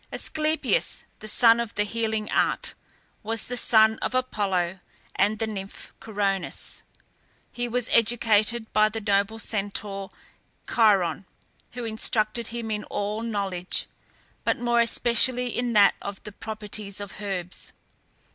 Asclepias, the god of the healing art, was the son of Apollo and the nymph Coronis. He was educated by the noble Centaur Chiron, who instructed him in all knowledge, but more especially in that of the properties of herbs.